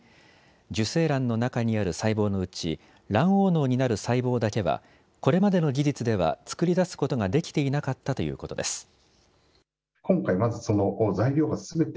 受精卵の中にある細胞のうち卵黄のうになる細胞だけはこれまでの技術では作り出すことができていなかったということです。